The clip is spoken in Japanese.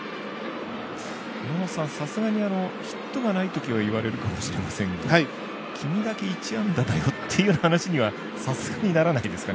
さすがに、ヒットがないときは言われるかもしれませんが君だけ１安打だよって話にはさすがにならないですかね。